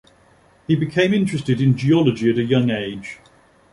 He became interested in geology at a young age.